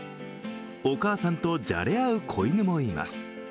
お母さんとじゃれ合う子犬もいます。